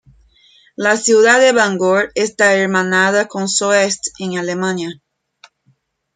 La ciudad de Bangor está hermanada con Soest, en Alemania.